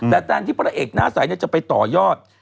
แต่การที่พระเอกหน้าใสจะไปต่อยอด